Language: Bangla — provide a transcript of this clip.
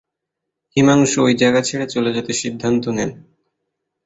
হিমাংশু ওই জায়গা ছেড়ে চলে যেতে সিদ্ধান্ত নেন।